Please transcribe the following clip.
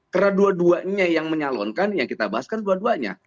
karena dua duanya yang menyalonkan yang kita bahaskan dua duanya